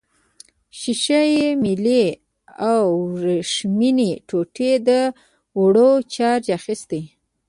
ښيښه یي میلې او وریښمينې ټوټې دواړو چارج اخیستی.